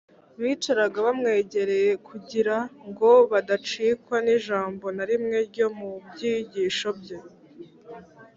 bicaraga bamwegereye kugira ngo badacikwa n’ijambo na rimwe ryo mu byigisho bye